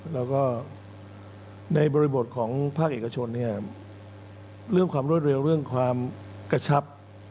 แล้วก็ในบริบทของภาคเอกชนเนี่ยเรื่องความรวดเร็วเรื่องความกระชับ